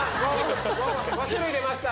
５種類出ました。